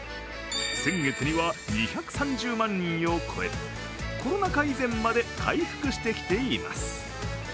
先月には２３０万人を超え、コロナ禍以前まで回復してきています。